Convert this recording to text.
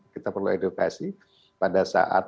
kita perlu edukasi pada saat